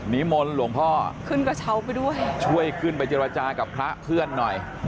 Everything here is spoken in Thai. มนต์หลวงพ่อขึ้นกระเช้าไปด้วยช่วยขึ้นไปเจรจากับพระเพื่อนหน่อย